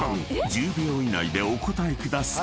１０秒以内でお答えください］